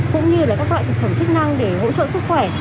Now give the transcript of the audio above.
cũng như các loại thực phẩm chức năng để hỗ trợ sức khỏe